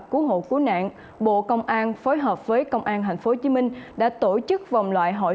cứu hộ cứu nạn bộ công an phối hợp với công an thành phố hồ chí minh đã tổ chức vòng loại hội